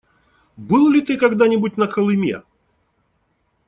Был ли ты когда-нибудь на Колыме?